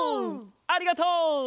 ありがとう！